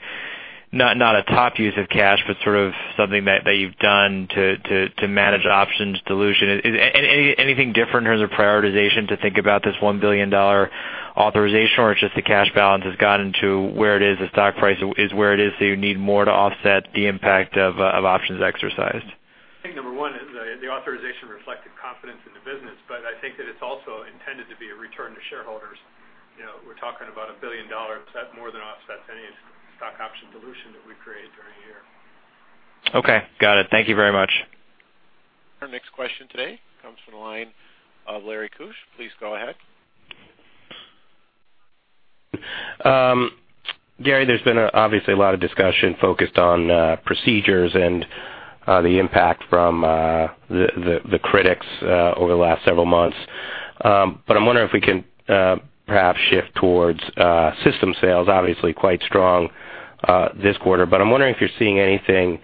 not a top use of cash, but sort of something that you've done to manage options dilution. Anything different in terms of prioritization to think about this $1 billion authorization? It's just the cash balance has gotten to where it is, the stock price is where it is, you need more to offset the impact of options exercised? I think number one, the authorization reflected confidence in the business. I think that it's also intended to be a return to shareholders. We're talking about a $1 billion more than offsets any stock option dilution that we create during a year. Okay. Got it. Thank you very much. Our next question today comes from the line of Larry Keusch. Please go ahead. Gary, there's been obviously a lot of discussion focused on procedures and the impact from the critics over the last several months. I'm wondering if we can perhaps shift towards system sales, obviously quite strong this quarter. I'm wondering if you're seeing anything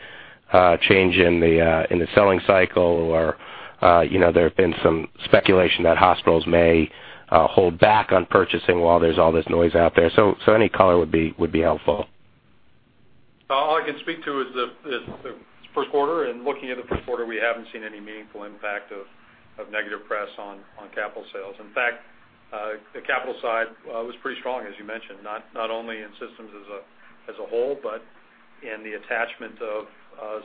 change in the selling cycle or there have been some speculation that hospitals may hold back on purchasing while there's all this noise out there. Any color would be helpful. All I can speak to is the first quarter, and looking at the first quarter, we haven't seen any meaningful impact of negative press on capital sales. In fact, the capital side was pretty strong, as you mentioned, not only in systems as a whole, but in the attachment of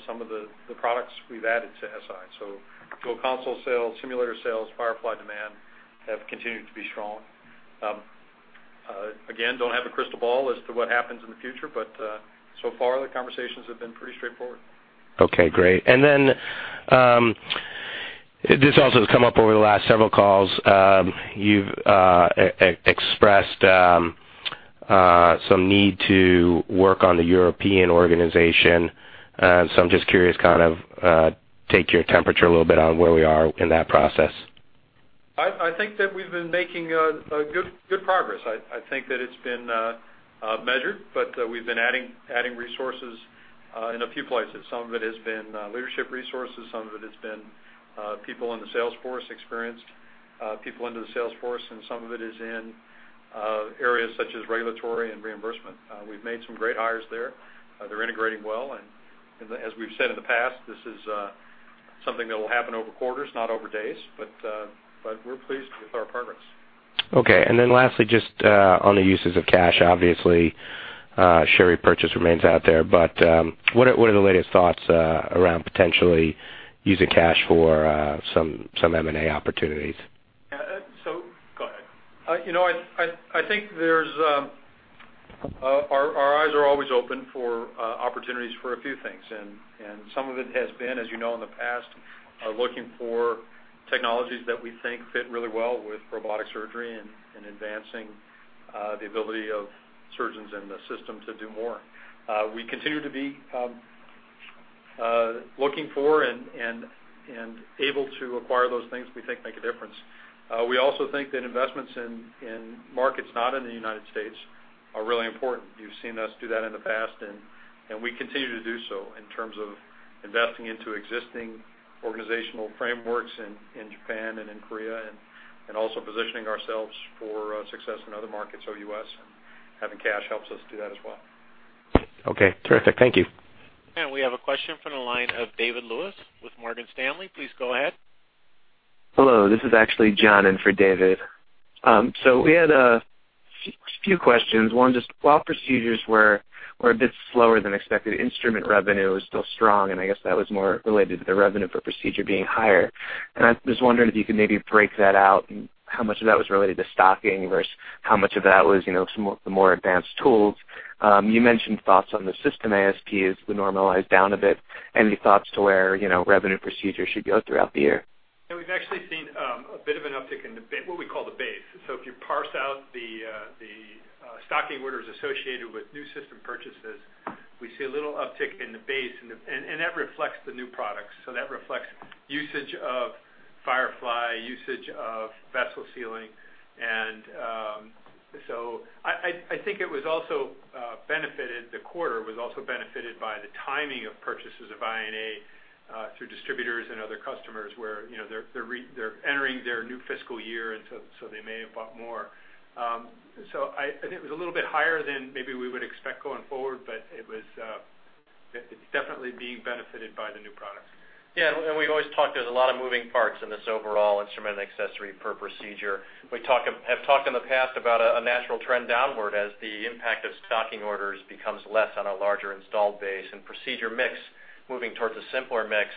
some of the products we've added to SI. Console sales, da Vinci Simulator sales, Firefly demand have continued to be strong. Again, don't have a crystal ball as to what happens in the future, but so far the conversations have been pretty straightforward. Okay, great. This also has come up over the last several calls. You've expressed some need to work on the European organization. I'm just curious, kind of take your temperature a little bit on where we are in that process. I think that we've been making good progress. I think that it's been measured, but we've been adding resources in a few places. Some of it has been leadership resources, some of it has been people in the sales force, experienced people into the sales force, and some of it is in areas such as regulatory and reimbursement. We've made some great hires there. They're integrating well, and as we've said in the past, this is something that will happen over quarters, not over days, but we're pleased with our progress. Okay. Lastly, just on the uses of cash, obviously, share repurchase remains out there, but what are the latest thoughts around potentially using cash for some M&A opportunities? Yeah. Go ahead. Our eyes are always open for opportunities for a few things. Some of it has been, as you know, in the past, looking for technologies that we think fit really well with robotic surgery and advancing the ability of surgeons and the system to do more. We continue to be looking for and able to acquire those things we think make a difference. We also think that investments in markets not in the United States are really important. You've seen us do that in the past, and we continue to do so in terms of investing into existing organizational frameworks in Japan and in Korea, and also positioning ourselves for success in other markets, OUS, and having cash helps us do that as well. Okay. Terrific. Thank you. We have a question from the line of David Lewis with Morgan Stanley. Please go ahead. Hello. This is actually John in for David. We had a few questions. One, just while procedures were a bit slower than expected, instrument revenue was still strong, and I guess that was more related to the revenue per procedure being higher. I'm just wondering if you could maybe break that out and how much of that was related to stocking versus how much of that was the more advanced tools. You mentioned thoughts on the system ASP as we normalize down a bit. Any thoughts to where revenue procedure should go throughout the year? Yeah, we've actually seen a bit of an uptick in what we call the base. If you parse out the stocking orders associated with new system purchases, we see a little uptick in the base, and that reflects the new products. That reflects usage of Firefly, usage of Vessel Sealing. I think the quarter was also benefited by the timing of purchases of I&A through distributors and other customers where they're entering their new fiscal year, and so they may have bought more. I think it was a little bit higher than maybe we would expect going forward, but it's definitely being benefited by the new products. Yeah, we've always talked, there's a lot of moving parts in this overall instrument and accessory per procedure. We have talked in the past about a natural trend downward as the impact of stocking orders becomes less on a larger installed base and procedure mix moving towards a simpler mix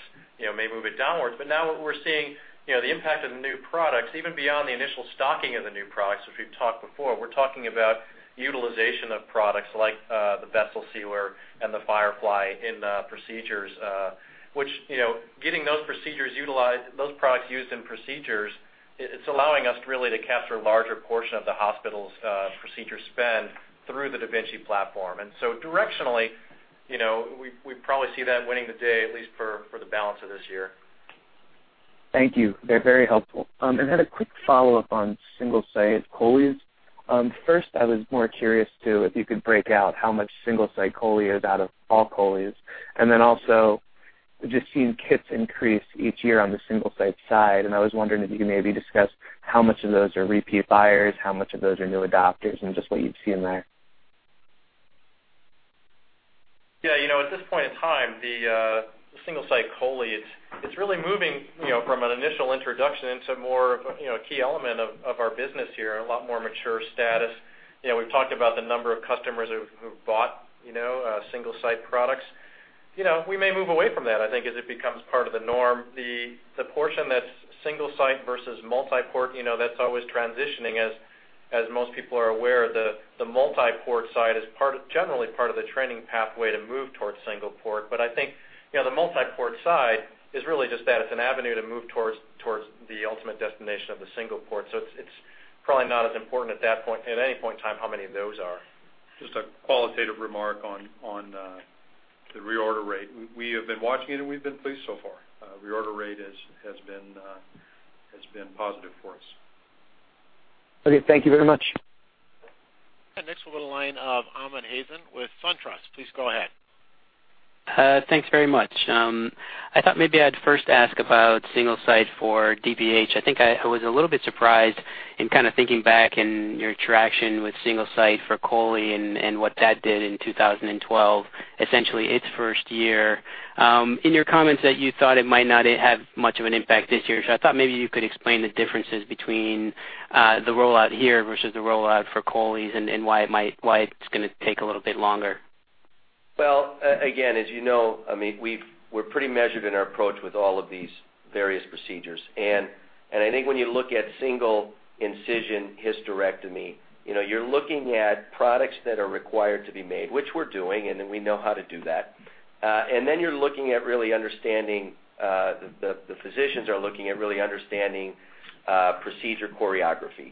may move it downwards. Now what we're seeing, the impact of the new products, even beyond the initial stocking of the new products, which we've talked before, we're talking about utilization of products like the Vessel Sealer and the Firefly in procedures. Getting those products used in procedures, it's allowing us really to capture a larger portion of the hospital's procedure spend through the da Vinci platform. Directionally, we probably see that winning the day, at least for the balance of this year. Thank you. They're very helpful. A quick follow-up on Single-Site cholecystectomies. First, I was more curious too if you could break out how much Single-Site cholecystectomy is out of all cholecystectomies. Also, just seeing kits increase each year on the Single-Site side, and I was wondering if you could maybe discuss how much of those are repeat buyers, how much of those are new adopters, and just what you've seen there. Yeah. At this point in time, the Single-Site cholecystectomy, it's really moving from an initial introduction into more of a key element of our business here and a lot more mature status. We've talked about the number of customers who've bought Single-Site products. We may move away from that, I think, as it becomes part of the norm. The portion that's Single-Site versus multi-port, that's always transitioning. As most people are aware, the multi-port site is generally part of the training pathway to move towards single port. I think the multi-port site is really just that. It's an avenue to move towards the ultimate destination of the single port. It's probably not as important at any point in time how many of those are. Just a qualitative remark on the reorder rate. We have been watching it and we've been pleased so far. Reorder rate has been positive for us. Okay. Thank you very much. Next we'll go to line of Amit Hazan with SunTrust. Please go ahead. Thanks very much. I thought maybe I'd first ask about Single-Site for DVH. I think I was a little bit surprised in kind of thinking back in your traction with Single-Site for cholecystectomy and what that did in 2012, essentially its first year. In your comments that you thought it might not have much of an impact this year. I thought maybe you could explain the differences between the rollout here versus the rollout for cholecystectomies and why it's going to take a little bit longer. Well, again, as you know, we're pretty measured in our approach with all of these various procedures. I think when you look at single incision hysterectomy, you're looking at products that are required to be made, which we're doing, and then we know how to do that. The physicians are looking at really understanding procedure choreography.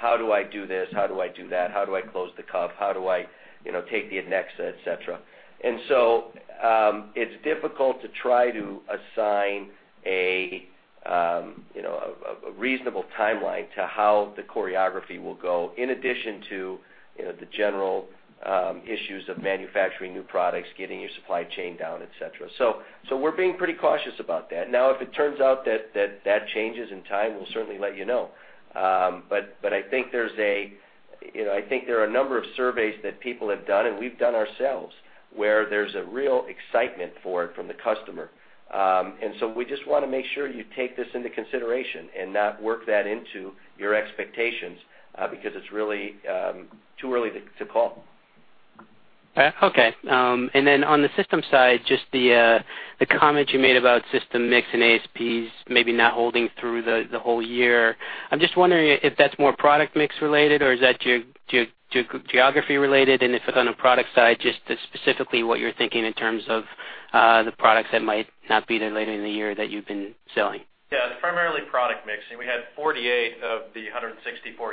How do I do this? How do I do that? How do I close the cuff? How do I take the adnexa, et cetera? It's difficult to try to assign a A reasonable timeline to how the choreography will go, in addition to the general issues of manufacturing new products, getting your supply chain down, et cetera. We're being pretty cautious about that. Now, if it turns out that changes in time, we'll certainly let you know. I think there are a number of surveys that people have done, and we've done ourselves, where there's a real excitement for it from the customer. We just want to make sure you take this into consideration and not work that into your expectations, because it's really too early to call. Okay. Then on the system side, just the comment you made about system mix and ASPs maybe not holding through the whole year. I'm just wondering if that's more product mix related or is that geography related? If it's on a product side, just specifically what you're thinking in terms of the products that might not be there later in the year that you've been selling. It's primarily product mixing. We had 48 of the 164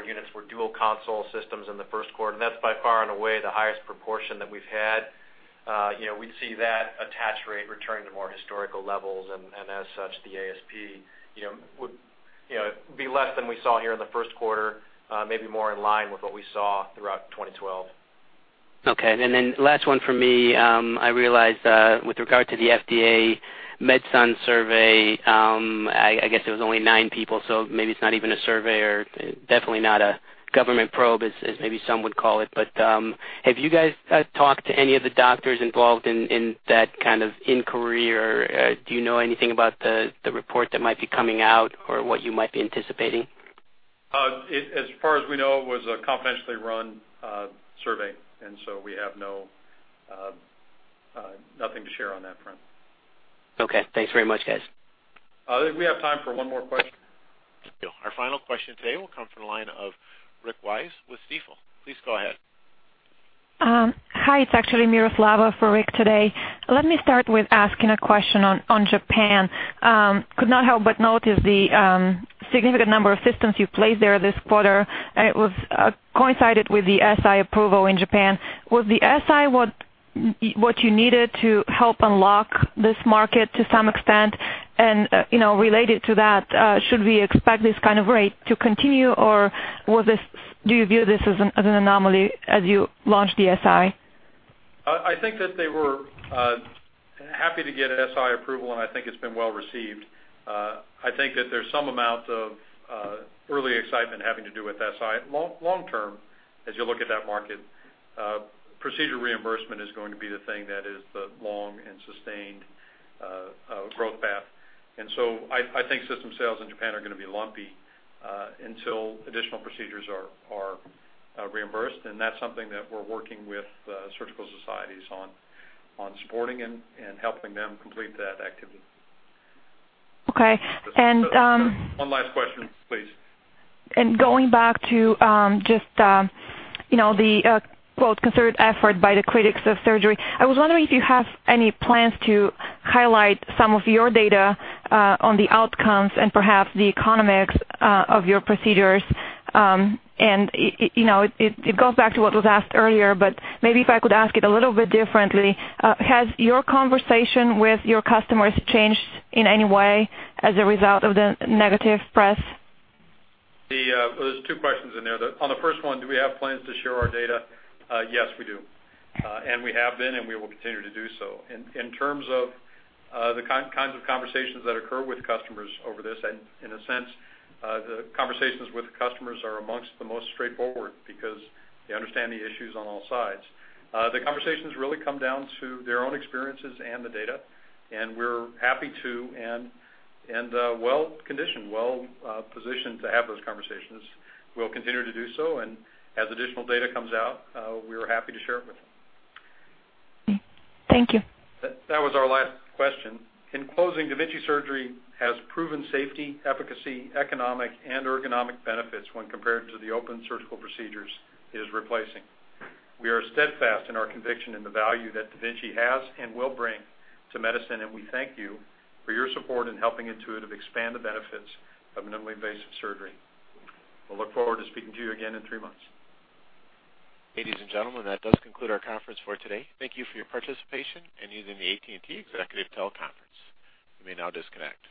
units were dual console systems in the first quarter. That's by far and away the highest proportion that we've had. We'd see that attach rate return to more historical levels. As such, the ASP would be less than we saw here in the first quarter, maybe more in line with what we saw throughout 2012. Okay, then last one from me. I realized with regard to the FDA MedSun survey, I guess it was only nine people. Maybe it's not even a survey or definitely not a government probe as maybe some would call it. Have you guys talked to any of the doctors involved in that kind of inquiry, or do you know anything about the report that might be coming out or what you might be anticipating? As far as we know, it was a confidentially run survey. We have nothing to share on that front. Okay. Thanks very much, guys. I think we have time for one more question. Our final question today will come from the line of Rick Wise with Stifel. Please go ahead. Hi, it's actually Miroslava for Rick today. Let me start with asking a question on Japan. Could not help but notice the significant number of systems you placed there this quarter. It coincided with the SI approval in Japan. Was the SI what you needed to help unlock this market to some extent? Related to that, should we expect this kind of rate to continue, or do you view this as an anomaly as you launch the SI? I think that they were happy to get SI approval, and I think it's been well received. I think that there's some amount of early excitement having to do with SI. Long term, as you look at that market, procedure reimbursement is going to be the thing that is the long and sustained growth path. So I think system sales in Japan are going to be lumpy until additional procedures are reimbursed, and that's something that we're working with surgical societies on supporting and helping them complete that activity. Okay. One last question, please. Going back to just the quote, "concerted effort by the critics of surgery," I was wondering if you have any plans to highlight some of your data on the outcomes and perhaps the economics of your procedures. It goes back to what was asked earlier, but maybe if I could ask it a little bit differently, has your conversation with your customers changed in any way as a result of the negative press? There's two questions in there. On the first one, do we have plans to share our data? Yes, we do. We have been, and we will continue to do so. In terms of the kinds of conversations that occur with customers over this, and in a sense, the conversations with customers are amongst the most straightforward because they understand the issues on all sides. The conversations really come down to their own experiences and the data, and we're happy to and well-conditioned, well-positioned to have those conversations. We'll continue to do so, and as additional data comes out, we are happy to share it with them. Thank you. That was our last question. In closing, da Vinci Surgery has proven safety, efficacy, economic, and ergonomic benefits when compared to the open surgical procedures it is replacing. We are steadfast in our conviction in the value that da Vinci has and will bring to medicine, and we thank you for your support in helping Intuitive expand the benefits of minimally invasive surgery. We'll look forward to speaking to you again in three months. Ladies and gentlemen, that does conclude our conference for today. Thank you for your participation and using the AT&T Executive TeleConference. You may now disconnect.